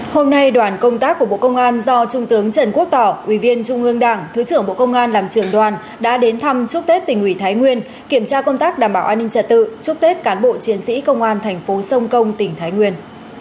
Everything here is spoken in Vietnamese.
hôm nay đoàn công tác của bộ công an do trung tướng trần quốc tỏ ủy viên trung ương đảng thứ trưởng bộ công an làm trường đoàn đã đến thăm chúc tết tỉnh ủy thái nguyên kiểm tra công tác đảm bảo an ninh trật tự chúc tết cán bộ chiến sĩ công an thành phố sông công tỉnh thái nguyên